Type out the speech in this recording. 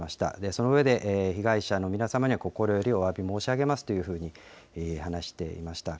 その上で、被害者の皆様には心よりおわび申し上げますというふうに話していました。